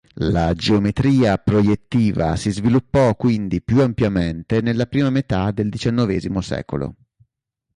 La geometria proiettiva si sviluppò quindi più ampiamente nella prima metà del diciannovesimo secolo.